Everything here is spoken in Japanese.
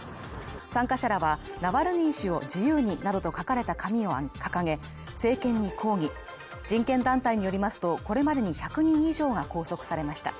参加者らはナワリヌイ氏を自由になどと書かれた紙を掲げ、政権に抗議人権団体によりますと、これまで２００人以上が拘束されました。